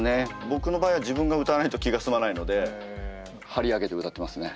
僕の場合は自分が歌わないと気が済まないので張り上げて歌ってますね。